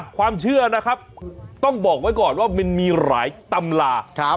ความเชื่อนะครับต้องบอกไว้ก่อนว่ามันมีหลายตำรา